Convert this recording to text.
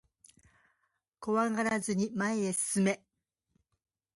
怖がらずに前へ進め